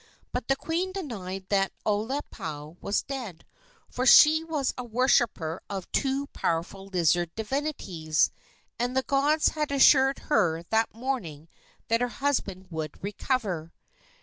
But the queen denied that Olepau was dead, for she was a worshipper of two powerful lizard divinities, and the gods had assured her that morning that her husband would recover.